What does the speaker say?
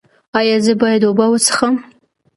ایا زه باید اوبه وڅښم؟